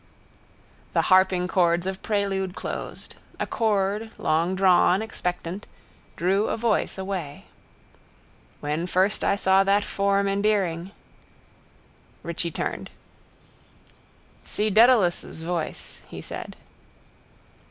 The harping chords of prelude closed. A chord, longdrawn, expectant, drew a voice away. —When first I saw that form endearing... Richie turned. —Si Dedalus' voice, he said.